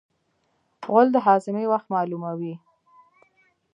غول د هاضمې وخت معلوموي.